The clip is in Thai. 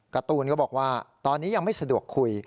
การ์ตูนก็บอกว่าตอนนี้ยังไม่สะดวกคุย